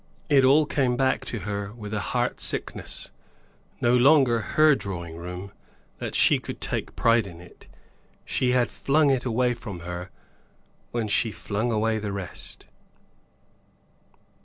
It all came back to her with a heart sickness. No longer her drawing room, that she should take pride in it; she had flung it away from her when she flung away the rest.